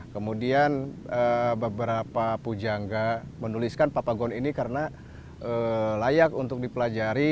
kemudian beberapa pujangga menuliskan papagon ini karena layak untuk dipelajari